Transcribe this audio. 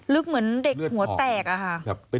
เหมือนเด็กหัวแตกอะค่ะ